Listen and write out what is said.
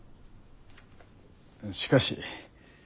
しかし。